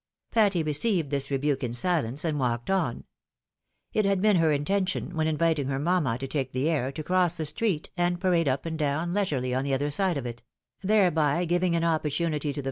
Patty received this rebuke in sUence, and walked on. It had been her intention, when inviting her mamma to take the air, to cross the street, and parade up and down leisurely on the other side of it ; thereby giving an opportunity to the fu?